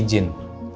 ini kenapa tiba tiba